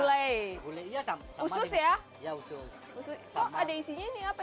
oh ada isinya ini apa isinya